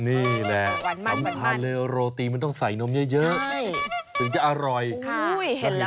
นี่แหละสำคัญเลยโรตีมันต้องใส่นมเยอะถึงจะอร่อย